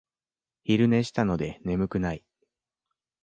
昼寝したので眠くない